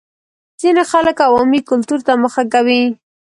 ځپلي خلک عوامي کلتور ته مخه کوي.